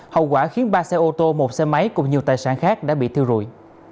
hậu quả khiến ba xe ô tô một xe máy cùng nhiều tài sản khác đã bị thiêu rụi